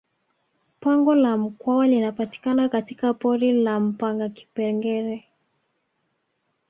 pango la mkwawa linapatikana katika pori la mpanga kipengere